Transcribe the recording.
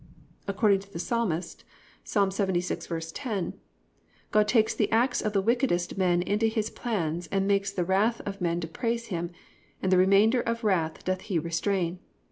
"+ According to the Psalmist (Ps. 76:10) God takes the acts of the wickedest men into His plans and makes the wrath of men to praise Him, and the remainder of wrath doth He restrain.